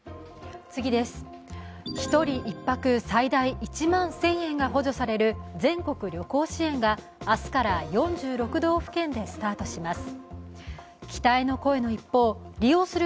１人１泊最大１万１０００円が補助される全国旅行支援が明日から４６道府県でスタートします。